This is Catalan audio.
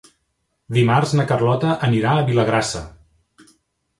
Dimarts na Carlota anirà a Vilagrassa.